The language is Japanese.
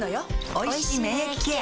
おいしい免疫ケア